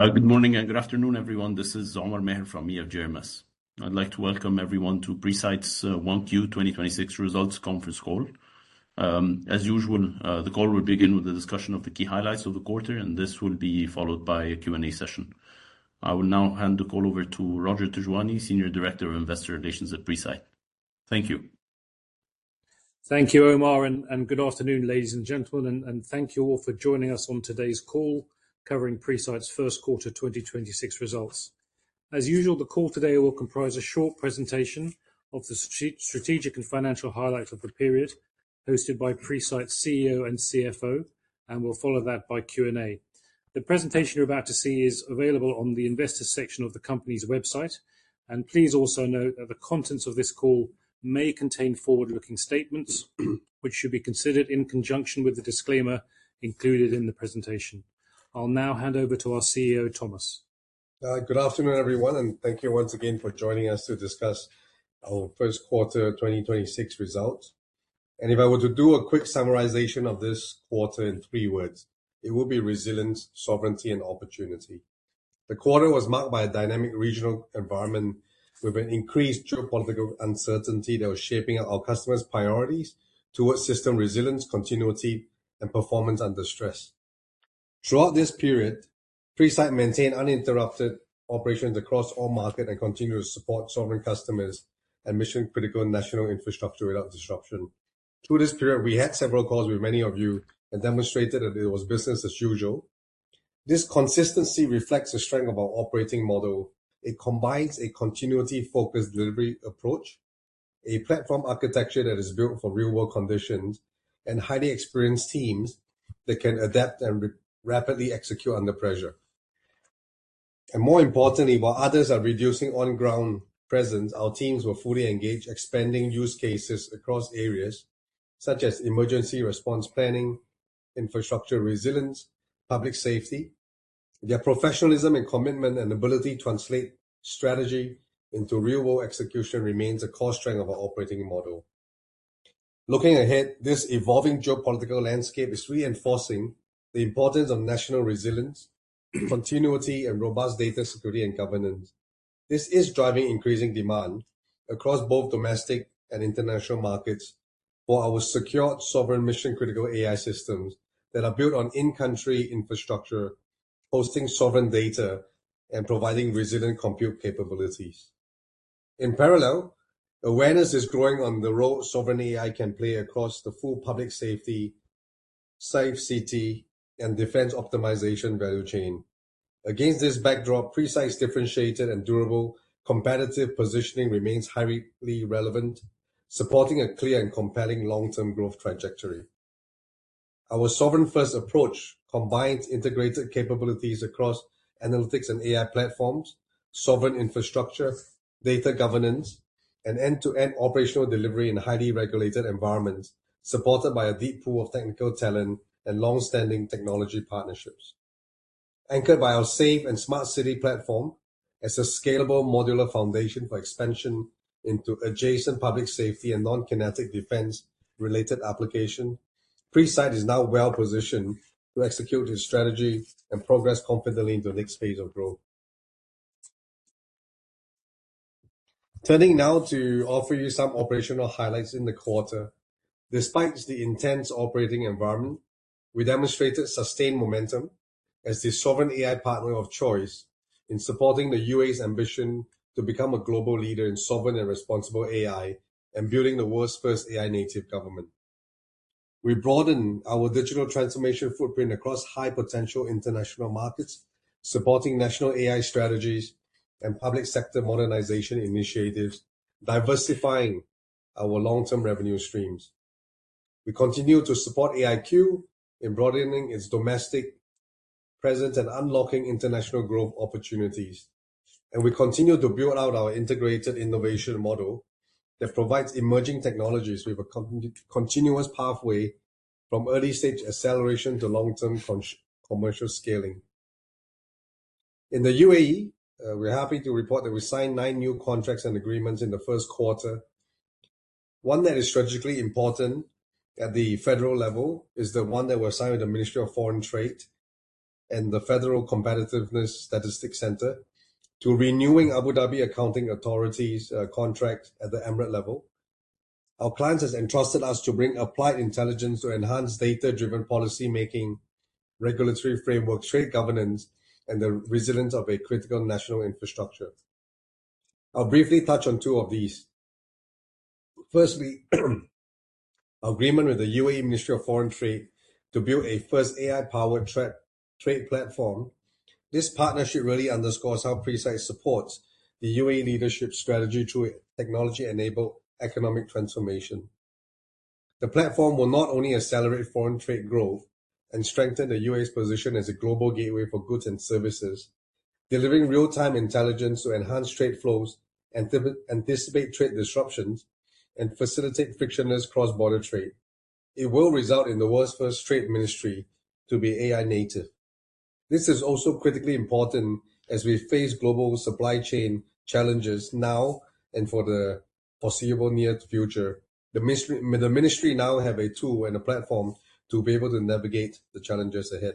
Good morning and good afternoon, everyone. This is Omar Maher from EFG Hermes. I'd like to welcome everyone to Presight's 1Q 2026 Results Conference Call. As usual, the call will begin with the discussion of the key highlights of the quarter, and this will be followed by a Q&A session. I will now hand the call over to Roger Tejwani, Senior Director of Investor Relations at Presight. Thank you. Thank you, Omar, and good afternoon, ladies and gentlemen, and thank you all for joining us on today's call covering Presight's first quarter 2026 results. As usual, the call today will comprise a short presentation of the strategic and financial highlights of the period hosted by Presight's CEO and CFO, and we'll follow that by Q&A. The presentation you're about to see is available on the investors section of the company's website. Please also note that the contents of this call may contain forward-looking statements which should be considered in conjunction with the disclaimer included in the presentation. I'll now hand over to our CEO, Thomas. Good afternoon, everyone, thank you once again for joining us to discuss our first quarter 2026 results. If I were to do a quick summarization of this quarter in three words, it would be resilience, sovereignty, and opportunity. The quarter was marked by a dynamic regional environment with an increased geopolitical uncertainty that was shaping our customers' priorities towards system resilience, continuity, and performance under stress. Throughout this period, Presight maintained uninterrupted operations across all market and continued to support sovereign customers and mission-critical national infrastructure without disruption. Through this period, we had several calls with many of you and demonstrated that it was business as usual. This consistency reflects the strength of our operating model. It combines a continuity-focused delivery approach, a platform architecture that is built for real-world conditions, and highly experienced teams that can adapt and re-rapidly execute under pressure. More importantly, while others are reducing on-ground presence, our teams were fully engaged, expanding use cases across areas such as emergency response planning, infrastructure resilience, public safety. Their professionalism and commitment and ability to translate strategy into real-world execution remains a core strength of our operating model. Looking ahead, this evolving geopolitical landscape is reinforcing the importance of national resilience, continuity, and robust data security and governance. This is driving increasing demand across both domestic and international markets for our secured sovereign mission-critical AI systems that are built on in-country infrastructure, hosting sovereign data and providing resilient compute capabilities. In parallel, awareness is growing on the role sovereign AI can play across the full public safety, safe city, and defense optimization value chain. Against this backdrop, Presight's differentiated and durable competitive positioning remains highly relevant, supporting a clear and compelling long-term growth trajectory. Our sovereign-first approach combines integrated capabilities across analytics and AI platforms, sovereign infrastructure, data governance, and end-to-end operational delivery in highly regulated environments, supported by a deep pool of technical talent and long-standing technology partnerships. Anchored by our safe and smart city platform as a scalable modular foundation for expansion into adjacent public safety and non-kinetic defense-related application, Presight is now well-positioned to execute its strategy and progress confidently into the next phase of growth. Turning now to offer you some operational highlights in the quarter. Despite the intense operating environment, we demonstrated sustained momentum as the sovereign AI partner of choice in supporting the UAE's ambition to become a global leader in sovereign and responsible AI and building the world's first AI-native government. We broaden our digital transformation footprint across high-potential international markets, supporting national AI strategies and public sector modernization initiatives, diversifying our long-term revenue streams. We continue to support AIQ in broadening its domestic presence and unlocking international growth opportunities. We continue to build out our integrated innovation model that provides emerging technologies with a continuous pathway from early-stage acceleration to long-term commercial scaling. In the UAE, we're happy to report that we signed nine new contracts and agreements in the first quarter. One that is strategically important at the federal level is the one that was signed with the Ministry of Foreign Trade and the Federal Competitiveness and Statistics Centre to renewing Abu Dhabi Accountability Authority's contract at the Emirate level. Our clients has entrusted us to bring applied intelligence to enhance data-driven policymaking, regulatory framework, trade governance, and the resilience of a critical national infrastructure. I'll briefly touch on two of these. Firstly, agreement with the UAE Ministry of Foreign Trade to build a first AI-powered trade platform. This partnership really underscores how Presight supports the UAE leadership strategy through technology-enabled economic transformation. The platform will not only accelerate foreign trade growth and strengthen the UAE's position as a global gateway for goods and services, delivering real-time intelligence to enhance trade flows, anticipate trade disruptions, and facilitate frictionless cross-border trade. It will result in the world's first trade ministry to be AI native. This is also critically important as we face global supply chain challenges now and for the foreseeable near future. The ministry now have a tool and a platform to be able to navigate the challenges ahead.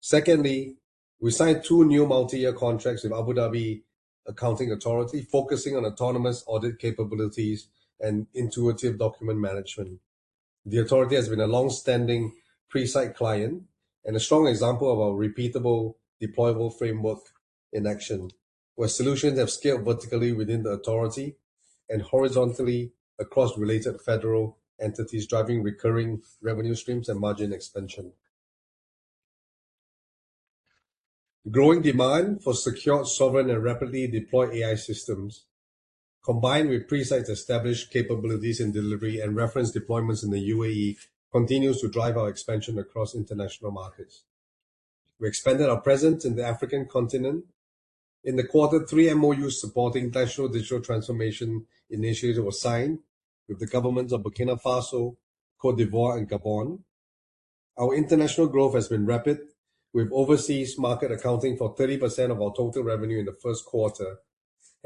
Secondly, we signed two new multi-year contracts with Abu Dhabi Accountability Authority focusing on autonomous audit capabilities and intuitive document management. The authority has been a long-standing Presight client and a strong example of our repeatable deployable framework in action, where solutions have scaled vertically within the authority and horizontally across related federal entities, driving recurring revenue streams and margin expansion. Growing demand for secured sovereign and rapidly deployed AI systems, combined with Presight's established capabilities in delivery and reference deployments in the UAE, continues to drive our expansion across international markets. We expanded our presence in the African continent. In the quarter three MoU supporting national digital transformation initiative was signed with the governments of Burkina Faso, Côte d'Ivoire, and Gabon. Our international growth has been rapid, with overseas market accounting for 30% of our total revenue in the first quarter,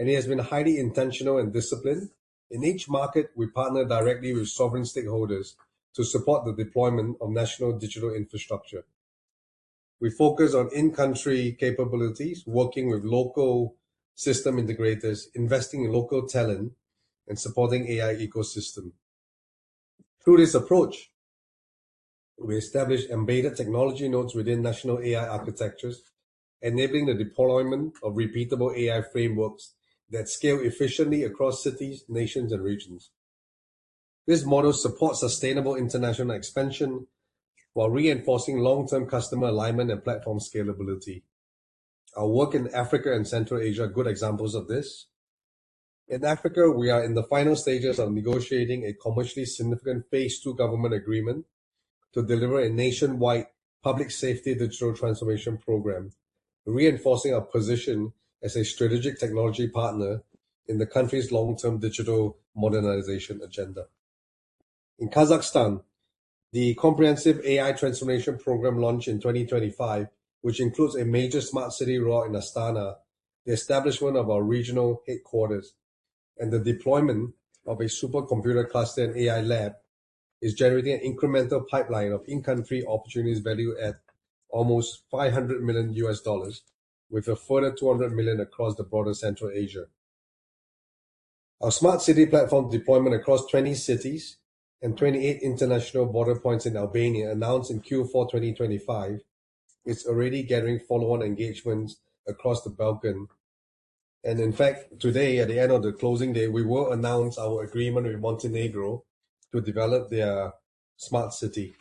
and it has been highly intentional and disciplined. In each market, we partner directly with sovereign stakeholders to support the deployment of national digital infrastructure. We focus on in-country capabilities, working with local system integrators, investing in local talent, and supporting AI ecosystem. Through this approach, we establish embedded technology nodes within national AI architectures, enabling the deployment of repeatable AI frameworks that scale efficiently across cities, nations, and regions. This model supports sustainable international expansion while reinforcing long-term customer alignment and platform scalability. Our work in Africa and Central Asia are good examples of this. In Africa, we are in the final stages of negotiating a commercially significant phase II government agreement to deliver a nationwide public safety digital transformation program, reinforcing our position as a strategic technology partner in the country's long-term digital modernization agenda. In Kazakhstan, the comprehensive AI transformation program launched in 2025, which includes a major smart city role in Astana, the establishment of our regional headquarters, and the deployment of a supercomputer cluster and AI lab, is generating an incremental pipeline of in-country opportunities valued at almost $500 million, with a further 200 million across the broader Central Asia. Our smart city platform deployment across 20 cities and 28 international border points in Albania announced in Q4 2025 is already gathering follow-on engagements across the Balkans. In fact, today, at the end of the closing day, we will announce our agreement with Montenegro to develop their smart city.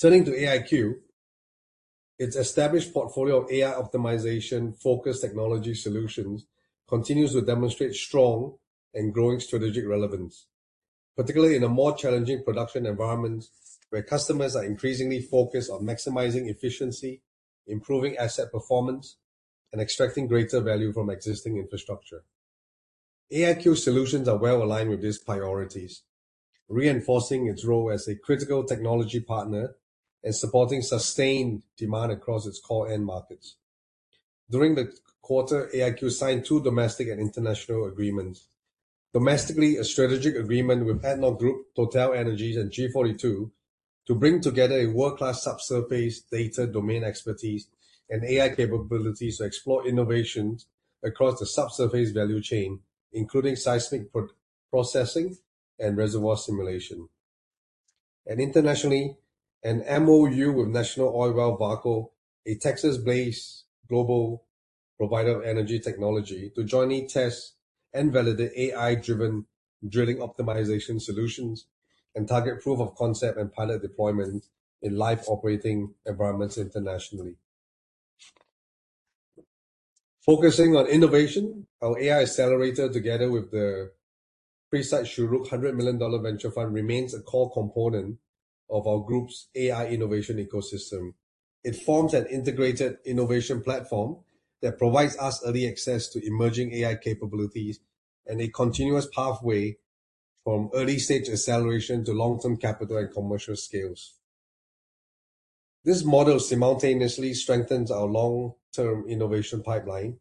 Turning to AIQ, its established portfolio of AI optimization-focused technology solutions continues to demonstrate strong and growing strategic relevance, particularly in a more challenging production environment where customers are increasingly focused on maximizing efficiency, improving asset performance, and extracting greater value from existing infrastructure. AIQ solutions are well aligned with these priorities, reinforcing its role as a critical technology partner and supporting sustained demand across its core end markets. During the quarter, AIQ signed two domestic and international agreements. Domestically, a strategic agreement with ADNOC Group, TotalEnergies, and G42 to bring together a world-class subsurface data domain expertise and AI capabilities to explore innovations across the subsurface value chain, including seismic processing and reservoir simulation. Internationally, an MOU with National Oilwell Varco, a Texas-based global provider of energy technology, to jointly test and validate AI-driven drilling optimization solutions and target proof of concept and pilot deployment in live operating environments internationally. Focusing on innovation, our AI accelerator together with the Presight-Shorooq $100 million venture fund remains a core component of our group's AI innovation ecosystem. It forms an integrated innovation platform that provides us early access to emerging AI capabilities and a continuous pathway from early-stage acceleration to long-term capital and commercial scales. This model simultaneously strengthens our long-term innovation pipeline,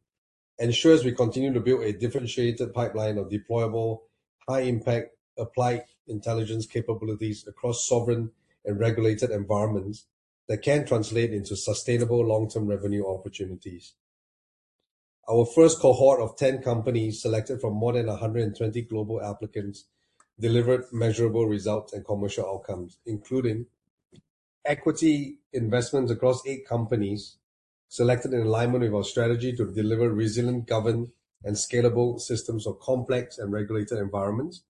ensures we continue to build a differentiated pipeline of deployable, high-impact applied intelligence capabilities across sovereign and regulated environments that can translate into sustainable long-term revenue opportunities. Our first cohort of 10 companies selected from more than 120 global applicants delivered measurable results and commercial outcomes, including equity investments across eight companies selected in alignment with our strategy to deliver resilient, governed, and scalable systems of complex and regulated environments.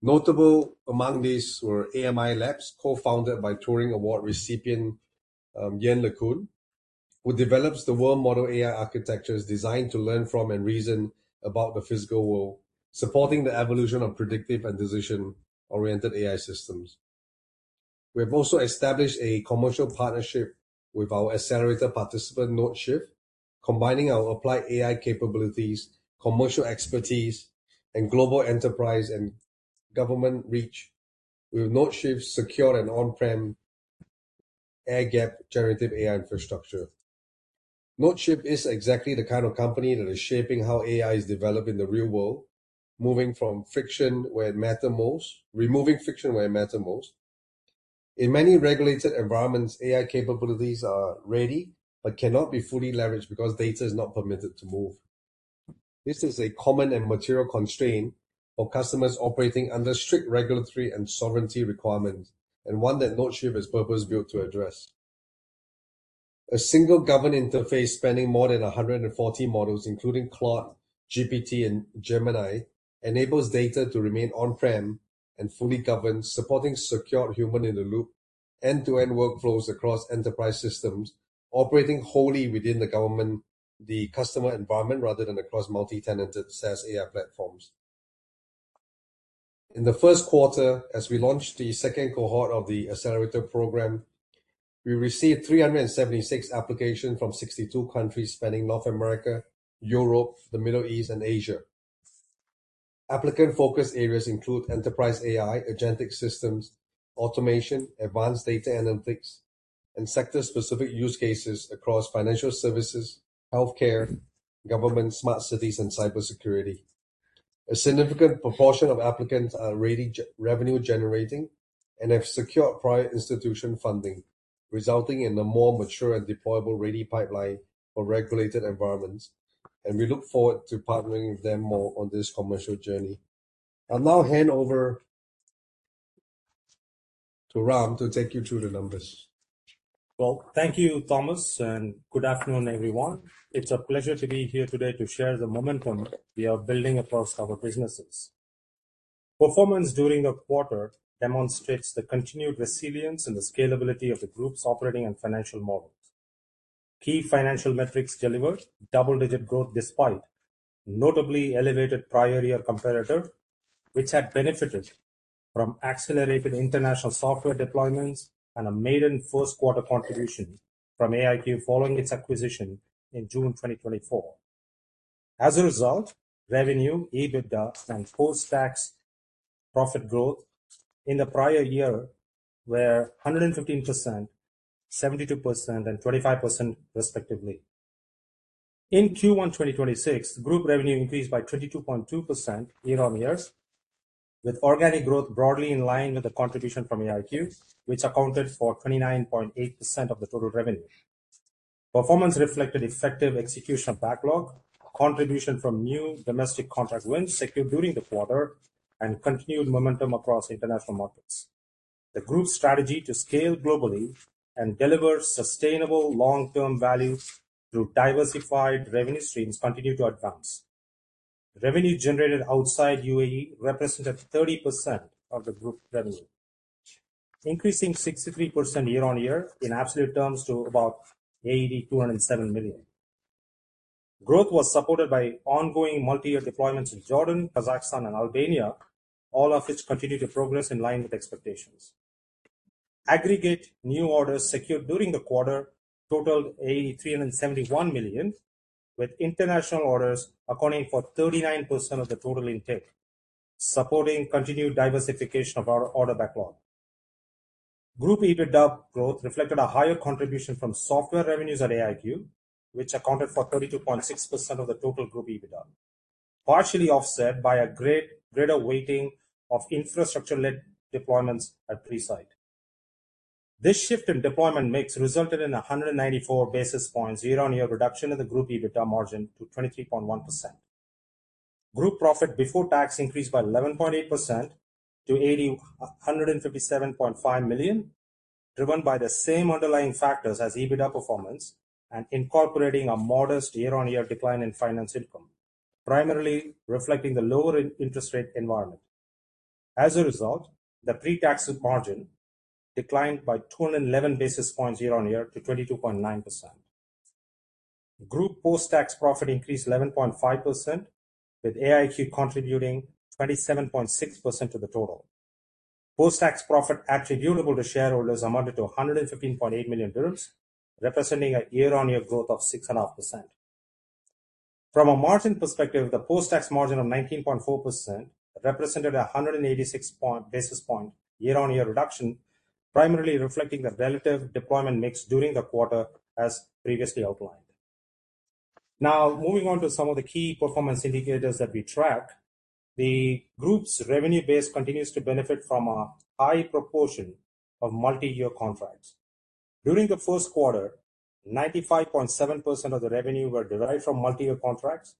Notable among these were AMI Labs, co-founded by Turing Award recipient, Yann LeCun, who develops the world model AI architectures designed to learn from and reason about the physical world, supporting the evolution of predictive and decision-oriented AI systems. We have also established a commercial partnership with our accelerator participant, NodeShift, combining our applied AI capabilities, commercial expertise, and global enterprise and government reach with NodeShift's secure and on-prem air-gap generative AI infrastructure. NodeShift is exactly the kind of company that is shaping how AI is developed in the real world, removing friction where it matters most. In many regulated environments, AI capabilities are ready but cannot be fully leveraged because data is not permitted to move. This is a common and material constraint for customers operating under strict regulatory and sovereignty requirements, one that NodeShift is purpose-built to address. A single governed interface spanning more than 140 models, including Claude, GPT, and Gemini, enables data to remain on-prem and fully governed, supporting secure human-in-the-loop end-to-end workflows across enterprise systems operating wholly within the government, the customer environment, rather than across multi-tenanted SaaS AI platforms. In the first quarter, as we launched the second cohort of the accelerator program, we received 376 applications from 62 countries spanning North America, Europe, the Middle East, and Asia. Applicant focus areas include enterprise AI, agentic systems, automation, advanced data analytics, and sector-specific use cases across financial services, healthcare, government, smart cities, and cybersecurity. A significant proportion of applicants are ready revenue generating and have secured prior institution funding, resulting in a more mature and deployable-ready pipeline for regulated environments, and we look forward to partnering with them more on this commercial journey. I'll now hand over to Ram to take you through the numbers. Well, thank you, Thomas, and good afternoon, everyone. It's a pleasure to be here today to share the momentum we are building across our businesses. Performance during the quarter demonstrates the continued resilience and the scalability of the Group's operating and financial models. Key financial metrics delivered double-digit growth despite notably elevated prior year comparator, which had benefited from accelerated international software deployments and a maiden first quarter contribution from AIQ following its acquisition in June 2024. As a result, revenue, EBITDA, and post-tax profit growth in the prior year were 115%, 72%, and 25% respectively. In Q1 2026, Group revenue increased by 22.2% year-on-year, with organic growth broadly in line with the contribution from AIQ, which accounted for 29.8% of the total revenue. Performance reflected effective execution of backlog, contribution from new domestic contract wins secured during the quarter, and continued momentum across international markets. The Group's strategy to scale globally and deliver sustainable long-term value through diversified revenue streams continue to advance. Revenue generated outside UAE represented 30% of the Group revenue, increasing 63% year-on-year in absolute terms to about 207 million. Growth was supported by ongoing multi-year deployments in Jordan, Kazakhstan, and Albania, all of which continue to progress in line with expectations. Aggregate new orders secured during the quarter totaled 371 million, with international orders accounting for 39% of the total intake, supporting continued diversification of our order backlog. Group EBITDA growth reflected a higher contribution from software revenues at AIQ, which accounted for 32.6% of the total Group EBITDA, partially offset by a greater weighting of infrastructure-led deployments at Presight. This shift in deployment mix resulted in a 194 basis points year-on-year reduction in the Group EBITDA margin to 23.1%. Group profit before tax increased by 11.8% to 157.5 million, driven by the same underlying factors as EBITDA performance and incorporating a modest year-on-year decline in finance income, primarily reflecting the lower interest rate environment. As a result, the pre-tax margin declined by 211 basis points year-on-year to 22.9%. Group post-tax profit increased 11.5%, with AIQ contributing 27.6% of the total. Post-tax profit attributable to shareholders amounted to 115.8 million dirhams, representing a year-on-year growth of 6.5%. From a margin perspective, the post-tax margin of 19.4% represented a 186 basis point year-on-year reduction, primarily reflecting the relative deployment mix during the quarter as previously outlined. Now, moving on to some of the key performance indicators that we track. The Group's revenue base continues to benefit from a high proportion of multi-year contracts. During the first quarter, 95.7% of the revenue were derived from multi-year contracts,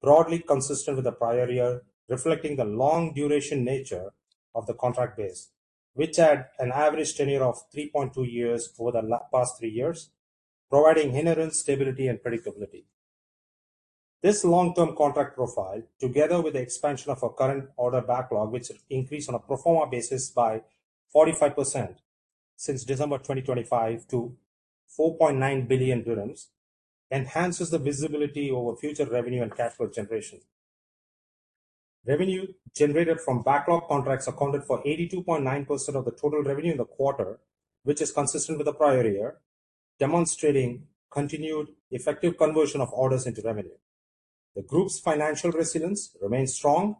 broadly consistent with the prior year, reflecting the long-duration nature of the contract base, which had an average tenure of 3.2 years over the past three years, providing inherent stability and predictability. This long-term contract profile, together with the expansion of our current order backlog, which increased on a pro forma basis by 45% since December 2025 to 4.9 billion dirhams, enhances the visibility over future revenue and cash flow generation. Revenue generated from backlog contracts accounted for 82.9% of the total revenue in the quarter, which is consistent with the prior year, demonstrating continued effective conversion of orders into revenue. The group's financial resilience remains strong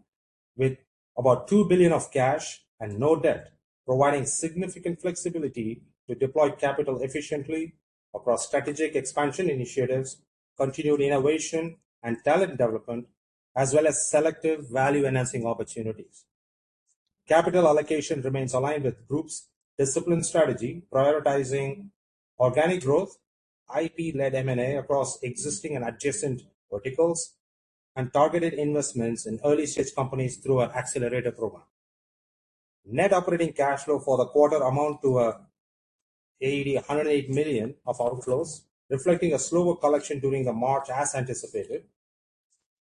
with about 2 billion of cash and no debt, providing significant flexibility to deploy capital efficiently across strategic expansion initiatives, continued innovation and talent development, as well as selective value-enhancing opportunities. Capital allocation remains aligned with group's discipline strategy, prioritizing organic growth, IP-led M&A across existing and adjacent verticals, and targeted investments in early-stage companies through our accelerator program. Net operating cash flow for the quarter amount to AED 108 million of outflows, reflecting a slower collection during the March as anticipated.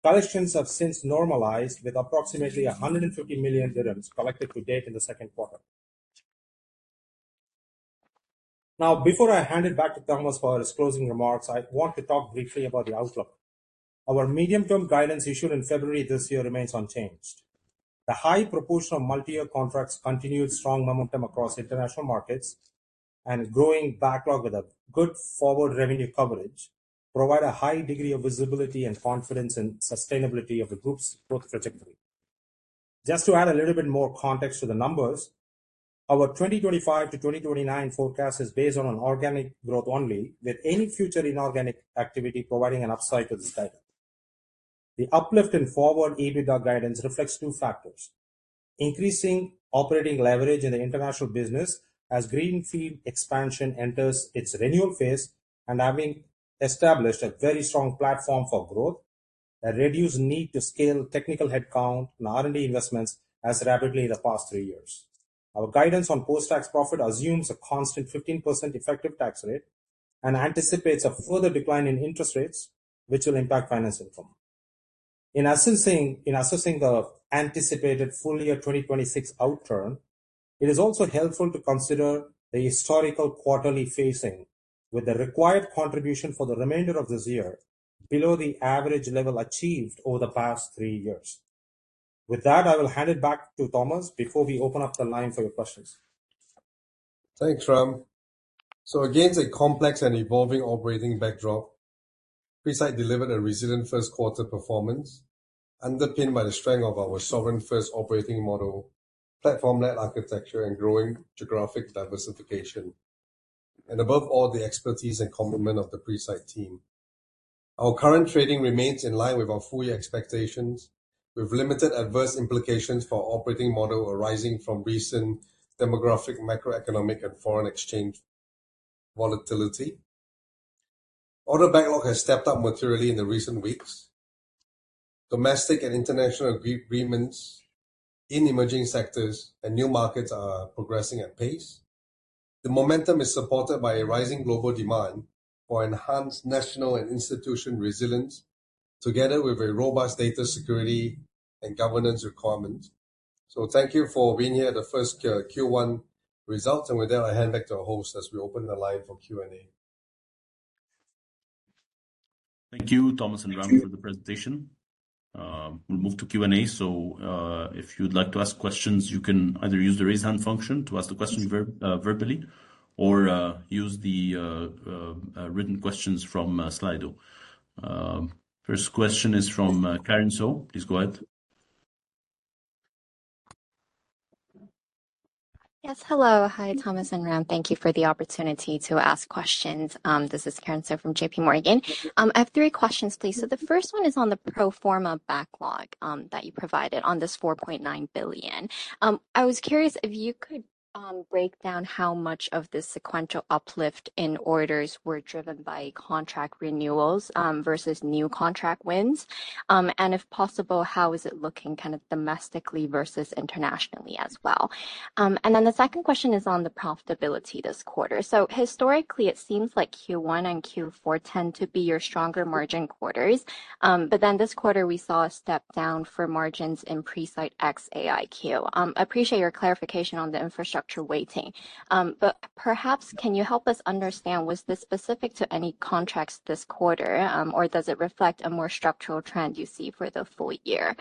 Collections have since normalized with approximately 150 million dirhams collected to date in the second quarter. Before I hand it back to Thomas for his closing remarks, I want to talk briefly about the outlook. Our medium-term guidance issued in February this year remains unchanged. The high proportion of multi-year contracts continued strong momentum across international markets and growing backlog with a good forward revenue coverage provide a high degree of visibility and confidence in sustainability of the group's growth trajectory. Just to add a little bit more context to the numbers, our 2025 to 2029 forecast is based on an organic growth only, with any future inorganic activity providing an upside to this guidance. The uplift in forward EBITDA guidance reflects two factors: increasing operating leverage in the international business as greenfield expansion enters its renewal phase and having established a very strong platform for growth that reduce need to scale technical headcount and R&D investments as rapidly in the past three years. Our guidance on post-tax profit assumes a constant 15% effective tax rate and anticipates a further decline in interest rates, which will impact finance income. In assessing the anticipated full year 2026 outturn, it is also helpful to consider the historical quarterly phasing with the required contribution for the remainder of this year below the average level achieved over the past three years. With that, I will hand it back to Thomas before we open up the line for your questions. Thanks, Ram. Against a complex and evolving operating backdrop, Presight delivered a resilient first quarter performance underpinned by the strength of our sovereign-first operating model, platform-led architecture, and growing geographic diversification. Above all, the expertise and complement of the Presight team. Our current trading remains in line with our full year expectations, with limited adverse implications for our operating model arising from recent demographic, macroeconomic, and foreign exchange volatility. Order backlog has stepped up materially in the recent weeks. Domestic and international agreements in emerging sectors and new markets are progressing at pace. The momentum is supported by a rising global demand for enhanced national and institution resilience, together with a robust data security and governance requirement. Thank you for being here at the first Q1 results, and with that, I hand back to our host as we open the line for Q&A. Thank you, Thomas and Ram, for the presentation. We'll move to Q&A. If you'd like to ask questions, you can either use the raise hand function to ask the question verbally or use the written questions from Slido. First question is from Karin So. Please go ahead. Yes, hello. Hi, Thomas and Ram. Thank you for the opportunity to ask questions. This is Karin So from JPMorgan. I have three questions, please. The first one is on the pro forma backlog that you provided on this 4.9 billion. I was curious if you could break down how much of the sequential uplift in orders were driven by contract renewals versus new contract wins. And if possible, how is it looking kind of domestically versus internationally as well? And then the second question is on the profitability this quarter. Historically, it seems like Q1 and Q4 tend to be your stronger margin quarters. But then this quarter, we saw a step down for margins in Presight ex-AIQ. Appreciate your clarification on the infrastructure weighting. Perhaps can you help us understand, was this specific to any contracts this quarter, or does it reflect a more structural trend you see for the full year?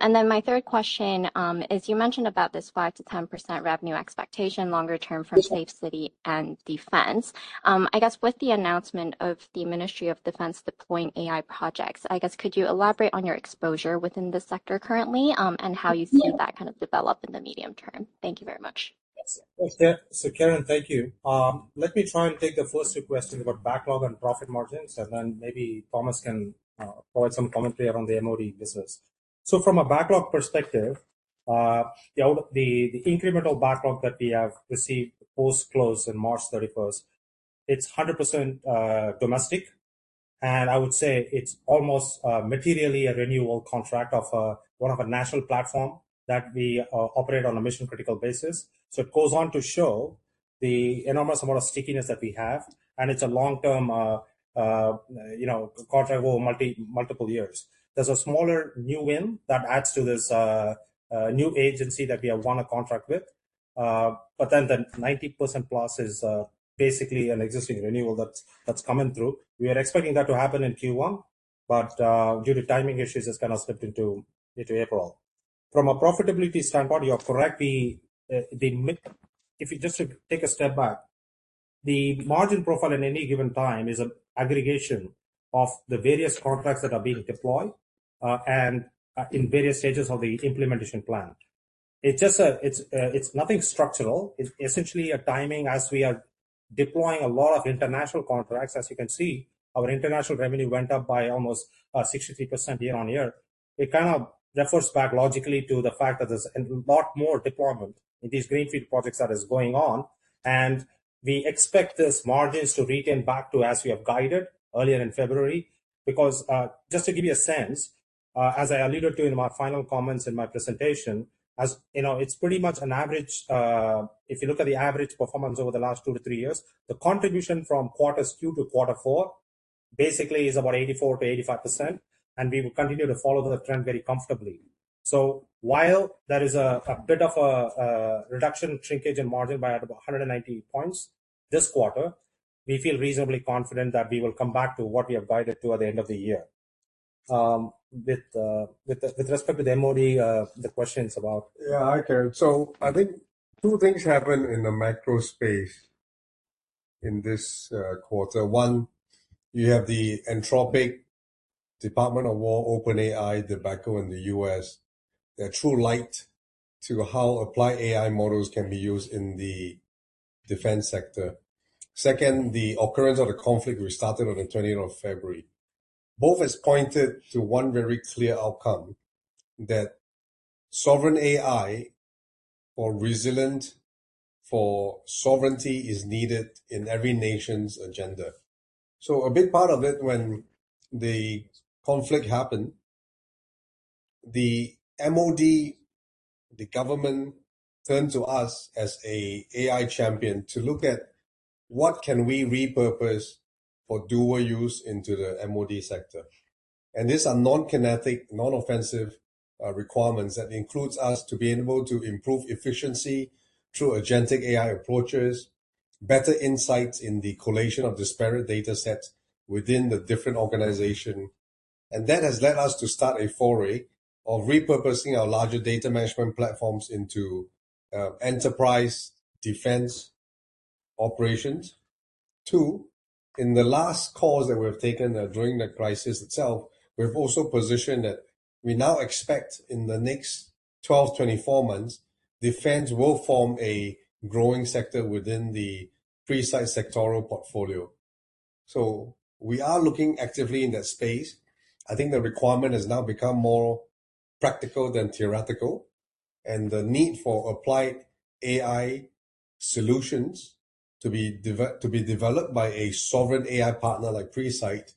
Then my third question is you mentioned about this 5%-10% revenue expectation longer term from safe city and defense. I guess with the announcement of the Ministry of Defense deploying AI projects, I guess could you elaborate on your exposure within this sector currently, and how you see that kind of develop in the medium term? Thank you very much. Thanks, Karin. Karin, thank you. Let me try and take the first two questions about backlog and profit margins, and then maybe Thomas can provide some commentary around the MOD business. From a backlog perspective, the incremental backlog that we have received post-close in March 31st, it's 100% domestic. I would say it's almost materially a renewal contract of one of our national platform that we operate on a mission-critical basis. It goes on to show the enormous amount of stickiness that we have, and it's a long-term, you know, contract over multi-multiple years. There's a smaller new win that adds to this new agency that we have won a contract with. The 90%+ is basically an existing renewal that's coming through. We are expecting that to happen in Q1, due to timing issues, it's kind of slipped into April. From a profitability standpoint, you're correctly, if you just take a step back. The margin profile at any given time is an aggregation of the various contracts that are being deployed and in various stages of the implementation plan. It's nothing structural. It's essentially a timing as we are deploying a lot of international contracts. As you can see, our international revenue went up by almost 63% year-on-year. It kind of refers back logically to the fact that there's a lot more deployment in these greenfield projects that is going on, we expect these margins to retain back to as we have guided earlier in February. Just to give you a sense, as I alluded to in my final comments in my presentation, as you know, it's pretty much an average, if you look at the average performance over the last two to three years, the contribution from quarter two to quarter four basically is about 84% to 85%, and we will continue to follow the trend very comfortably. While there is a bit of a reduction shrinkage in margin by about 190 points this quarter, we feel reasonably confident that we will come back to what we have guided to at the end of the year. With respect to the MOD. Yeah, okay. I think two things happened in the macro space in this quarter. One, you have the Anthropic Department of Defense, OpenAI, Palantir in the U.S. They're true light to how applied AI models can be used in the defense sector. Second, the occurrence of the conflict restarted on the February 20th. Both has pointed to one very clear outcome, that sovereign AI for resilient, for sovereignty is needed in every nation's agenda. A big part of it when the conflict happened, the MOD, the government turned to us as a AI champion to look at what can we repurpose for dual use into the MOD sector. These are non-kinetic, non-offensive requirements that includes us to be able to improve efficiency through Agentic AI approaches, better insights in the collation of disparate datasets within the different organization. That has led us to start a foray of repurposing our larger data management platforms into enterprise defense operations. In the last calls that we have taken during the crisis itself, we've also positioned that we now expect in the next 12 to 24 months, defense will form a growing sector within the Presight sectoral portfolio. We are looking actively in that space. I think the requirement has now become more practical than theoretical, and the need for applied AI solutions to be developed by a sovereign AI partner like Presight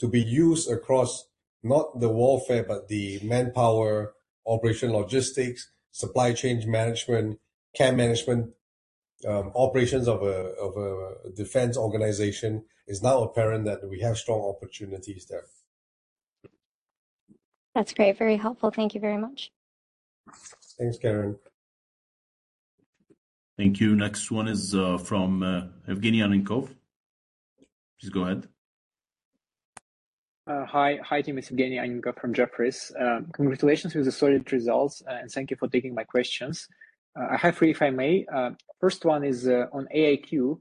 to be used across not the warfare, but the manpower, operation logistics, supply chain management, care management, operations of a defense organization, is now apparent that we have strong opportunities there. That's great. Very helpful. Thank you very much. Thanks, Karin. Thank you. Next one is from Evgenii Annenkov. Please go ahead. Hi, team. It's Evgenii Annenkov from Jefferies. Congratulations with the solid results, thank you for taking my questions. I have three, if I may. First one is on AIQ.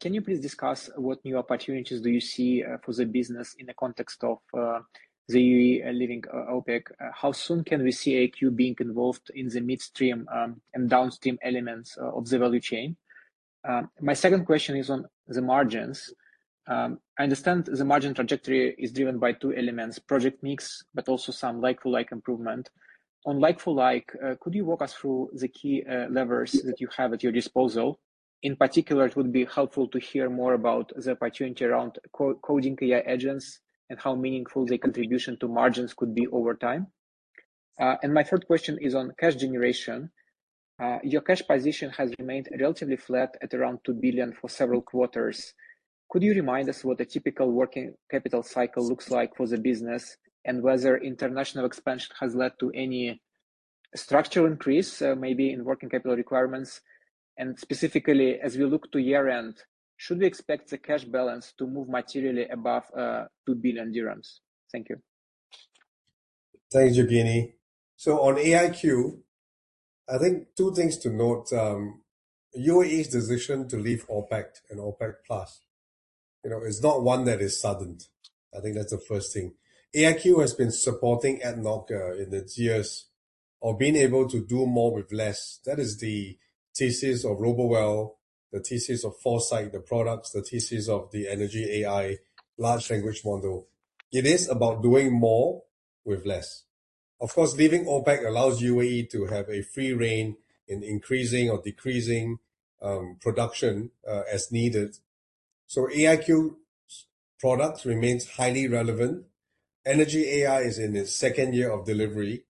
Can you please discuss what new opportunities do you see for the business in the context of the UAE leaving OPEC? How soon can we see AIQ being involved in the midstream and downstream elements of the value chain? My second question is on the margins. I understand the margin trajectory is driven by two elements, project mix, also some like-for-like improvement. On like-for-like, could you walk us through the key levers that you have at your disposal? In particular, it would be helpful to hear more about the opportunity around co-coding AI agents and how meaningful the contribution to margins could be over time. My third question is on cash generation. Your cash position has remained relatively flat at around 2 billion for several quarters. Could you remind us what a typical working capital cycle looks like for the business and whether international expansion has led to any structural increase, maybe in working capital requirements? Specifically, as we look to year-end, should we expect the cash balance to move materially above 2 billion dirhams? Thank you. Thanks, Evgenii. On AIQ, I think two things to note. UAE's decision to leave OPEC and OPEC+, you know, is not one that is sudden. I think that's the first thing. AIQ has been supporting ADNOC in its years of being able to do more with less. That is the thesis of RoboWell, the thesis of ForeSite, the products, the thesis of the ENERGYai large language model. It is about doing more with less. Of course, leaving OPEC allows UAE to have a free rein in increasing or decreasing production as needed. AIQ's products remains highly relevant. ENERGYai is in its second year of delivery.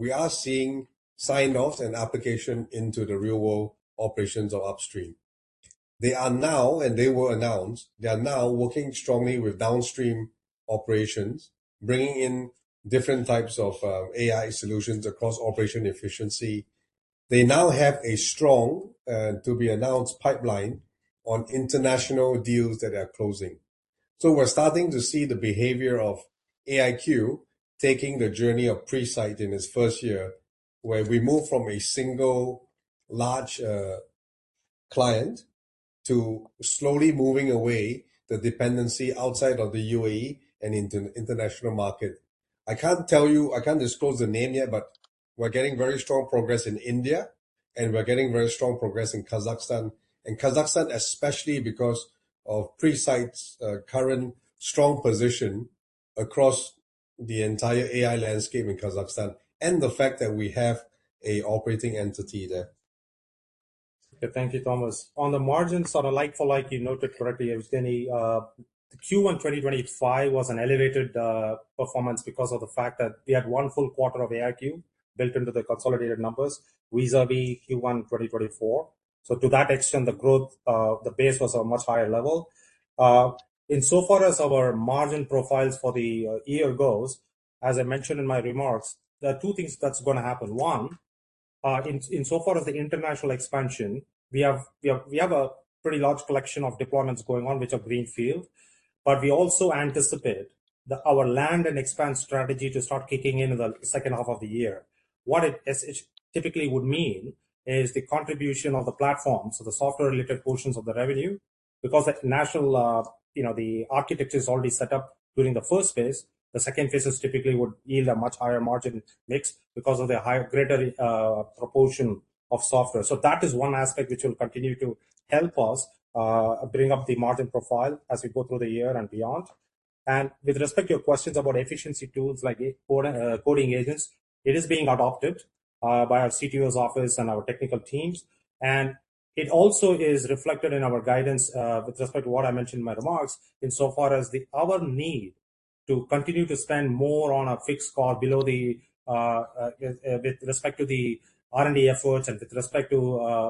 We are seeing sign-offs and application into the real-world operations of upstream. They are now, and they were announced, they are now working strongly with downstream operations, bringing in different types of AI solutions across operation efficiency. They now have a strong to-be-announced pipeline on international deals that are closing. We're starting to see the behavior of AIQ taking the journey of Presight in its first year, where we move from a single large client to slowly moving away the dependency outside of the UAE and international market. I can't disclose the name yet, but we're getting very strong progress in India, and we're getting very strong progress in Kazakhstan. In Kazakhstan, especially because of Presight's current strong position across the entire AI landscape in Kazakhstan, and the fact that we have an operating entity there. Thank you, Thomas. On the margin, sort of like for like you noted correctly, Evgenii. Q1 2025 was an elevated performance because of the fact that we had one full quarter of AIQ built into the consolidated numbers vis-à-vis Q1 2024. To that extent, the growth, the base was a much higher level. Insofar as our margin profiles for the year goes, as I mentioned in my remarks, there are two things that's gonna happen. One, insofar as the international expansion, we have a pretty large collection of deployments going on which are greenfield, but we also anticipate our land and expand strategy to start kicking in in the second half of the year. It typically would mean is the contribution of the platform, so the software-related portions of the revenue. Because the national, you know, the architecture is already set up during the phase I. The phase II is typically would yield a much higher margin mix because of the higher greater proportion of software. That is one aspect which will continue to help us bring up the margin profile as we go through the year and beyond. With respect to your questions about efficiency tools like coding agents, it is being adopted by our CTO's office and our technical teams. It also is reflected in our guidance, with respect to what I mentioned in my remarks, insofar as our need to continue to spend more on a fixed cost below the with respect to the R&D efforts and with respect to,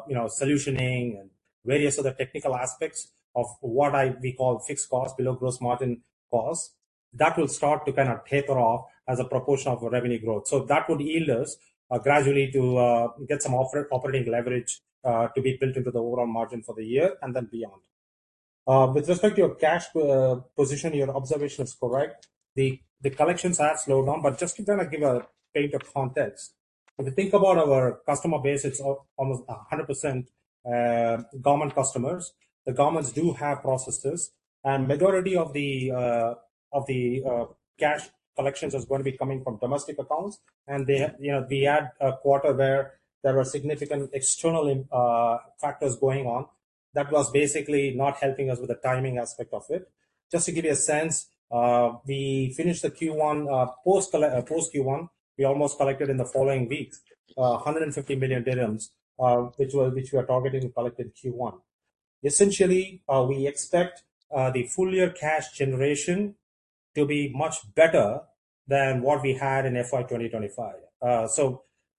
you know, solutioning and various other technical aspects of what we call fixed cost below gross margin cost. That will start to kind of taper off as a proportion of our revenue growth. That would yield us gradually to get some operating leverage to be built into the overall margin for the year and then beyond. With respect to your cash position, your observation is correct. The collections have slowed down, but just to kind of give a bit of context. If you think about our customer base, it's almost 100% government customers. The governments do have processes, majority of the cash collections is going to be coming from domestic accounts. You know, we had a quarter where there were significant external factors going on that was basically not helping us with the timing aspect of it. Just to give you a sense, we finished the Q1 post Q1. We almost collected in the following weeks, 150 million dirhams, which we are targeting to collect in Q1. Essentially, we expect the full year cash generation to be much better than what we had in FY 2025.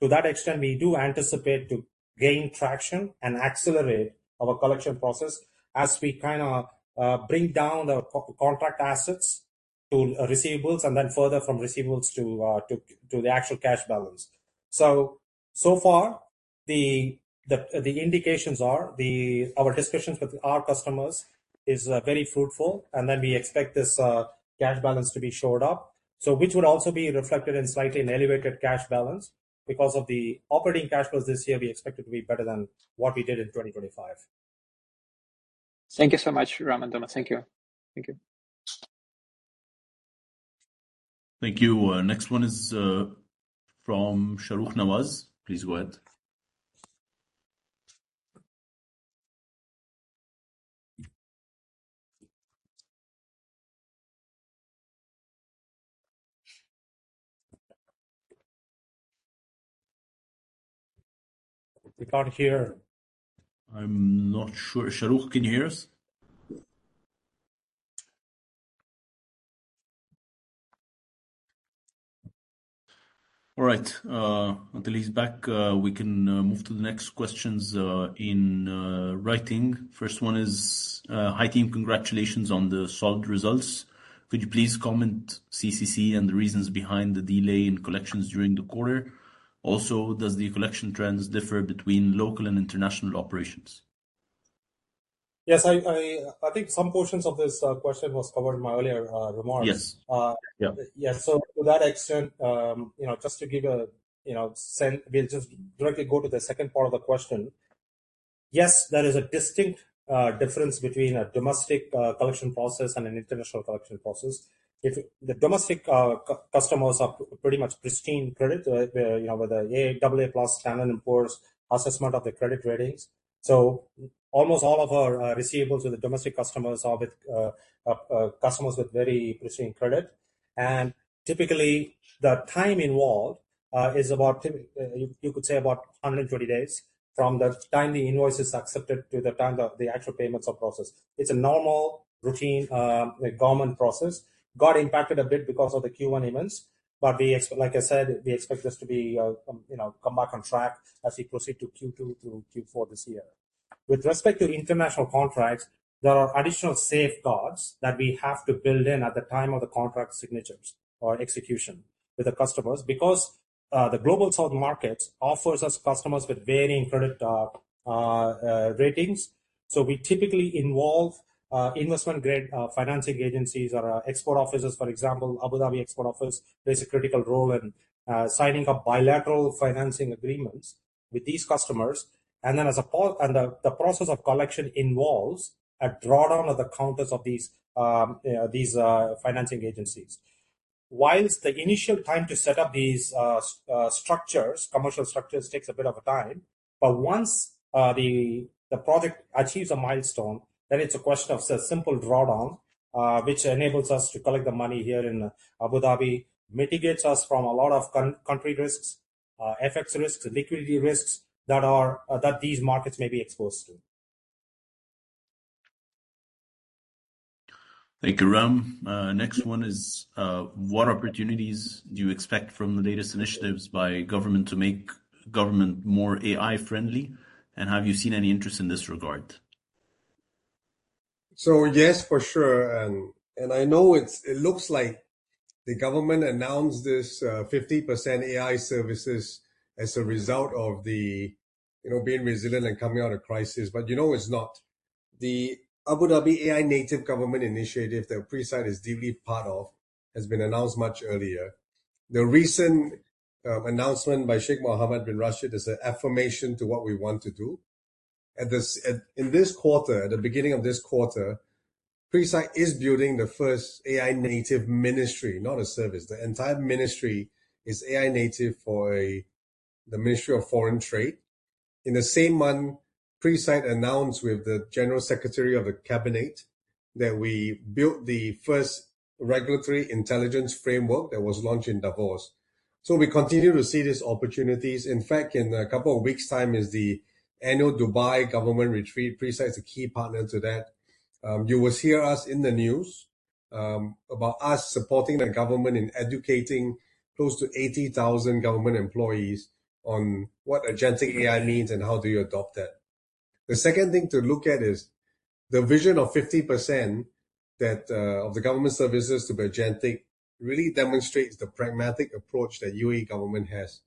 To that extent, we do anticipate to gain traction and accelerate our collection process as we kinda bring down the contract assets to receivables and then further from receivables to the actual cash balance. So far, the indications are our discussions with our customers is very fruitful, and then we expect this cash balance to be shored up. Which would also be reflected in slightly an elevated cash balance. Because of the operating cash flows this year, we expect it to be better than what we did in 2025. Thank you so much, Ram and Thomas. Thank you. Thank you. Thank you. Next one is from Shahrukh Nawaz. Please go ahead. We can't hear. I'm not sure Shahrukh can hear us. All right. Until he's back, we can move to the next questions in writing. First one is: Hi, team. Congratulations on the solid results. Could you please comment CCC and the reasons behind the delay in collections during the quarter? Also, does the collection trends differ between local and international operations? Yes, I think some portions of this question was covered in my earlier remarks. Yes. Yeah. Yeah. To that extent, you know, just to give a, you know, We'll just directly go to the second part of the question. Yes, there is a distinct difference between a domestic collection process and an international collection process. The domestic customers are pretty much pristine credit, you know, with a AA+ Standard & Poor's assessment of the credit ratings. Almost all of our receivables with the domestic customers are with customers with very pristine credit. Typically, the time involved is about you could say about 120 days from the time the invoice is accepted to the time that the actual payments are processed. It's a normal routine government process. Got impacted a bit because of the Q1 events. Like I said, we expect this to be, you know, come back on track as we proceed to Q2 through Q4 this year. With respect to international contracts, there are additional safeguards that we have to build in at the time of the contract signatures or execution with the customers. The global south market offers us customers with varying credit ratings. We typically involve investment grade financing agencies or export offices. For example, Abu Dhabi Exports Office plays a critical role in signing up bilateral financing agreements with these customers. The process of collection involves a drawdown of the counters of these financing agencies. Whilst the initial time to set up these structures, commercial structures takes a bit of a time, but once the project achieves a milestone, then it's a question of simple drawdown, which enables us to collect the money here in Abu Dhabi, mitigates us from a lot of country risks, FX risks, liquidity risks that are that these markets may be exposed to. Thank you, Ram. Next one is, what opportunities do you expect from the latest initiatives by government to make government more AI-friendly? Have you seen any interest in this regard? Yes, for sure. I know it looks like the government announced this 50% AI services as a result of the, you know, being resilient and coming out of crisis. You know, it's not. The Abu Dhabi AI Native Government Initiative that Presight is deeply part of has been announced much earlier. The recent announcement by Sheikh Mohammed bin Rashid is an affirmation to what we want to do. In this quarter, at the beginning of this quarter, Presight is building the first AI native ministry, not a service. The entire ministry is AI native for the Ministry of Foreign Trade. In the same month, Presight announced with the General Secretariat of the Cabinet that we built the first regulatory intelligence framework that was launched in Davos. We continue to see these opportunities. In fact, in a couple of weeks' time is the annual Dubai Government Retreat. Presight is a key partner to that. You will hear us in the news about us supporting the government in educating close to 80,000 government employees on what agentic AI means and how do you adopt that. The second thing to look at is the vision of 50% that of the government services to be agentic really demonstrates the pragmatic approach that UAE government has,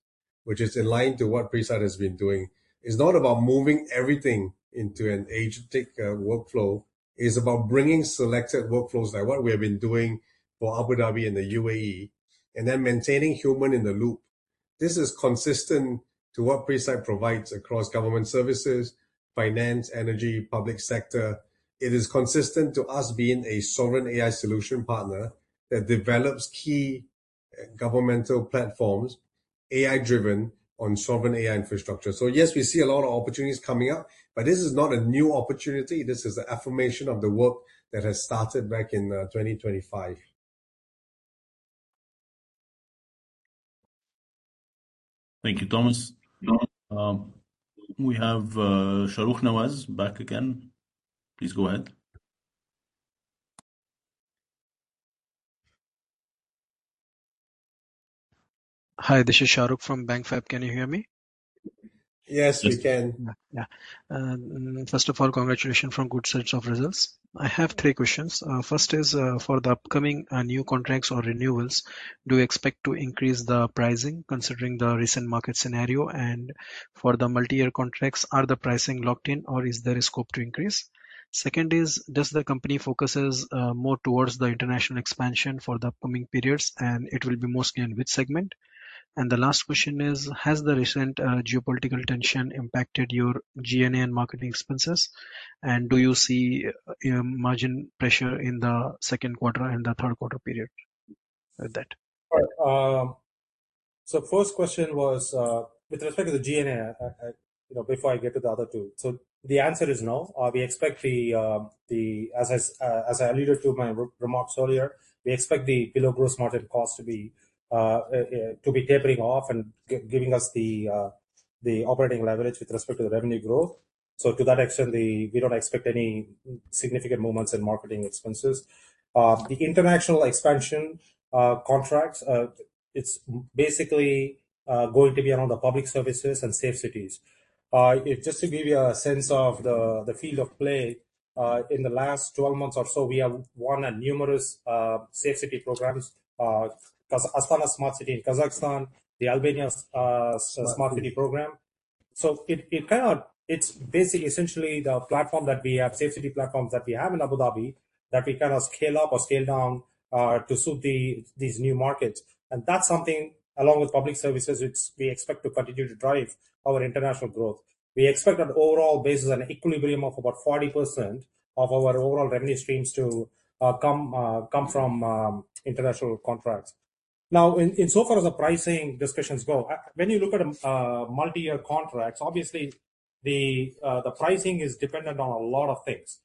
which is in line to what Presight has been doing. It's not about moving everything into an agentic workflow. It's about bringing selected workflows, like what we have been doing for Abu Dhabi and the UAE, and then maintaining human in the loop. This is consistent to what Presight provides across government services, finance, energy, public sector. It is consistent to us being a sovereign AI solution partner that develops key governmental platforms, AI-driven on sovereign AI infrastructure. Yes, we see a lot of opportunities coming up, but this is not a new opportunity. This is an affirmation of the work that has started back in 2025. Thank you, Thomas. We have Shahrukh Nawaz back again. Please go ahead. Hi, this is Shahrukh from Bank FAB. Can you hear me? Yes, we can. Yeah. First of all, congratulations on good set of results. I have three questions. First is, for the upcoming new contracts or renewals, do you expect to increase the pricing considering the recent market scenario? For the multi-year contracts, are the pricing locked in, or is there a scope to increase? Second is, does the company focuses more towards the international expansion for the upcoming periods, and it will be mostly in which segment? The last question is: Has the recent geopolitical tension impacted your G&A and marketing expenses? Do you see margin pressure in the second quarter and the third quarter period with that? All right. First question was, with respect to the G&A, you know, before I get to the other two. The answer is no. We expect the, as I alluded to in my remarks earlier, we expect the below gross margin cost to be tapering off and giving us the operating leverage with respect to the revenue growth. To that extent, we don't expect any significant movements in marketing expenses. The international expansion, contracts, it's basically going to be around the public services and safe cities. Just to give you a sense of the field of play, in the last 12 months or so, we have won numerous safe city programs, Astana Smart City in Kazakhstan, the Albania's smart city program. It's basically essentially the platform that we have, safe city platforms that we have in Abu Dhabi, that we kind of scale up or scale down to suit these new markets. That's something along with public services, which we expect to continue to drive our international growth. We expect on an overall basis an equilibrium of about 40% of our overall revenue streams to come from international contracts. Insofar as the pricing discussions go, when you look at multi-year contracts, obviously the pricing is dependent on a lot of things.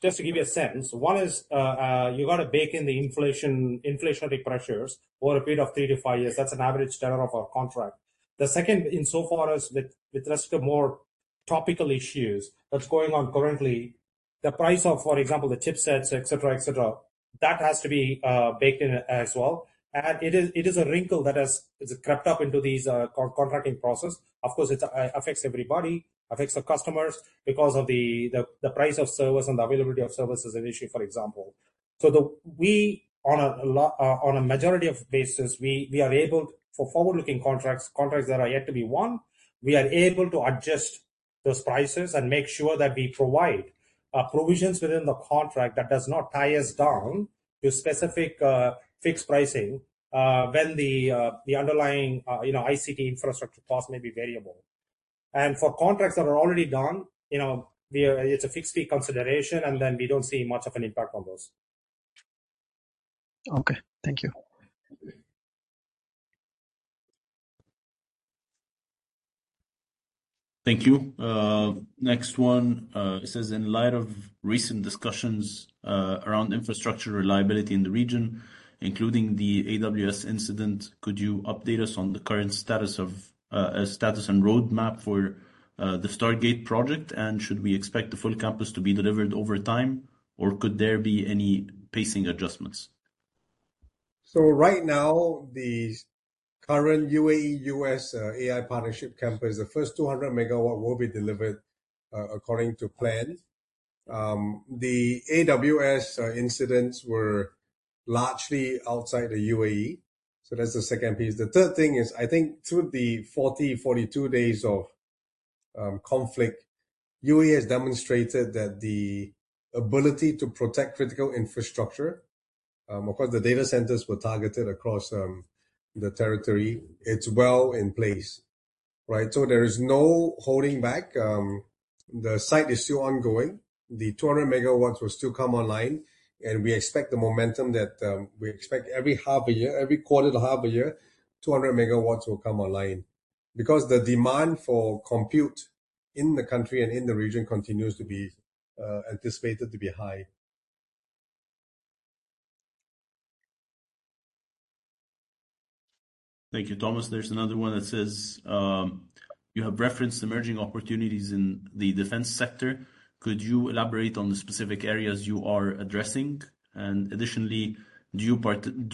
Just to give you a sense, one is, you gotta bake in the inflation, inflationary pressures over a period of three to five years. That's an average tenure of our contract. The second, insofar as with respect to more topical issues that's going on currently, the price of, for example, the chipsets, et cetera, et cetera, that has to be baked in as well. It is a wrinkle that has crept up into these contracting process. Of course, it affects everybody, affects the customers because of the price of service and the availability of service is an issue, for example. We on a majority of basis, we are able for forward-looking contracts that are yet to be won, we are able to adjust those prices and make sure that we provide provisions within the contract that does not tie us down to specific fixed pricing when the underlying, you know, ICT infrastructure cost may be variable. For contracts that are already done, you know, it's a fixed fee consideration, and then we don't see much of an impact on those. Okay. Thank you. Thank you. Next one, it says, in light of recent discussions, around infrastructure reliability in the region, including the AWS incident, could you update us on the current status and roadmap for the Stargate project? Should we expect the full campus to be delivered over time, or could there be any pacing adjustments? Right now, the current UAE-U.S. AI partnership campus, the first 200 MW will be delivered according to plan. The AWS incidents were largely outside the UAE, so that's the second piece. The third thing is, I think through the 42 days of conflict, UAE has demonstrated that the ability to protect critical infrastructure, of course, the data centers were targeted across the territory. It's well in place, right? There is no holding back. The site is still ongoing. The 200 MW will still come online, and we expect the momentum that we expect every half a year, every quarter to half a year, 200 MW will come online because the demand for compute in the country and in the region continues to be anticipated to be high. Thank you, Thomas. There's another one that says, you have referenced emerging opportunities in the defense sector. Could you elaborate on the specific areas you are addressing? Additionally, do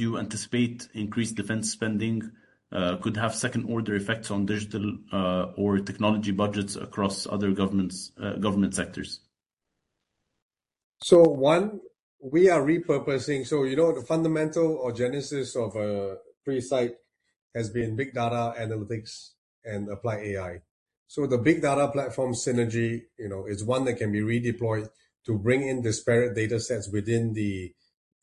you anticipate increased defense spending could have second-order effects on digital or technology budgets across other governments, government sectors? One, we are repurposing. You know, the fundamental or genesis of Presight has been big data analytics and applied AI. The big data platform synergy, you know, is one that can be redeployed to bring in disparate data sets within the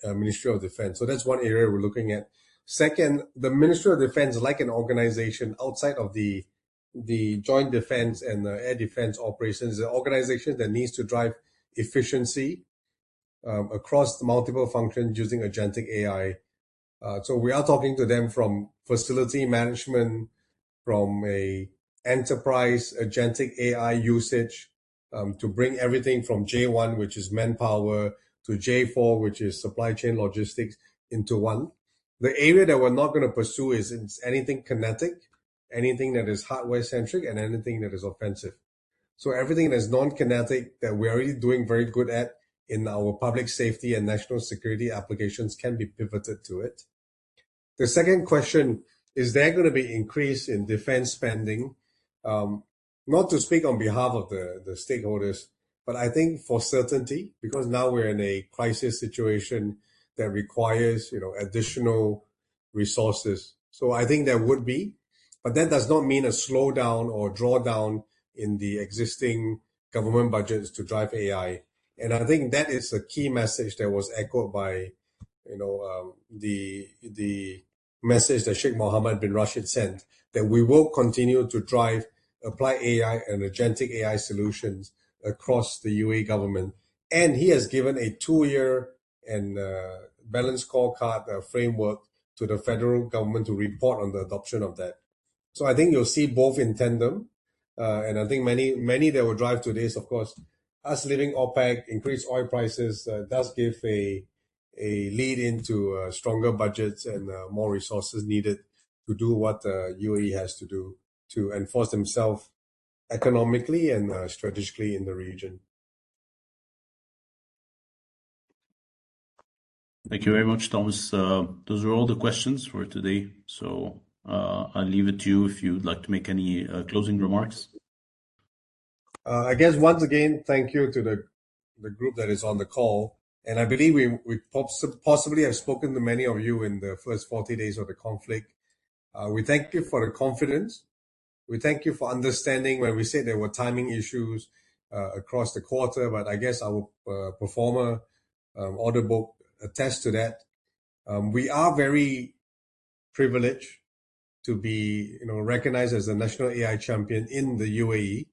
Ministry of Defense. That's one area we're looking at. Second, the Ministry of Defense, like an organization outside of the joint defense and air defense operations, is an organization that needs to drive efficiency across multiple functions using agentic AI. We are talking to them from facility management, from an enterprise agentic AI usage, to bring everything from J1, which is manpower, to J4, which is supply chain logistics, into one. The area that we're not gonna pursue is anything kinetic, anything that is hardware-centric, and anything that is offensive. Everything that is non-kinetic that we're already doing very good at in our public safety and national security applications can be pivoted to it. The second question: Is there gonna be increase in defense spending? Not to speak on behalf of the stakeholders, but I think for certainty, because now we're in a crisis situation that requires, you know, additional resources. I think there would be, but that does not mean a slowdown or drawdown in the existing government budgets to drive AI. I think that is the key message that was echoed by, you know, the message that Sheikh Mohammed bin Rashid sent, that we will continue to drive applied AI and agentic AI solutions across the UAE government. He has given a two-year and balanced scorecard framework to the federal government to report on the adoption of that. I think you'll see both in tandem, and I think many that will drive to this, of course, us leaving OPEC, increased oil prices, does give a lead into stronger budgets and more resources needed to do what the UAE has to do to enforce themselves economically and strategically in the region. Thank you very much, Thomas. Those are all the questions for today, I'll leave it to you if you'd like to make any closing remarks. I guess once again, thank you to the group that is on the call. I believe we possibly have spoken to many of you in the first 40 days of the conflict. We thank you for the confidence. We thank you for understanding when we said there were timing issues across the quarter. I guess our pro forma audit attests to that. We are very privileged to be, you know, recognized as the National AI Champion in the UAE.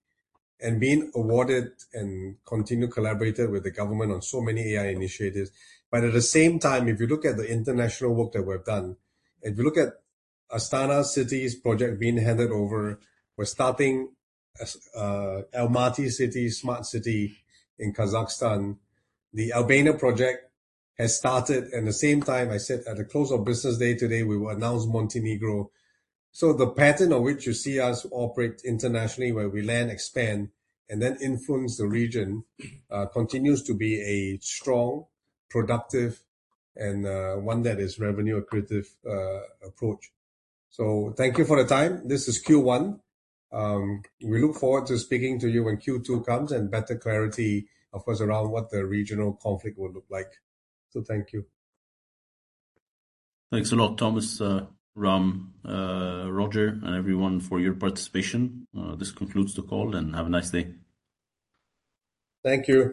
and being awarded and continue collaborated with the government on so many AI initiatives. At the same time, if you look at the international work that we've done, if you look at Astana city's project being handed over, we're starting Almaty city, smart city in Kazakhstan. The Albania project has started, and the same time I said at the close of business day today, we will announce Montenegro. The pattern on which you see us operate internationally, where we land, expand, and then influence the region, continues to be a strong, productive, and one that is revenue accretive approach. Thank you for the time. This is Q1. We look forward to speaking to you when Q2 comes and better clarity, of course, around what the regional conflict would look like. Thank you. Thanks a lot, Thomas, Ram, Roger, and everyone for your participation. This concludes the call, and have a nice day. Thank you.